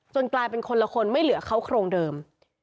กลายเป็นคนละคนไม่เหลือเขาโครงเดิม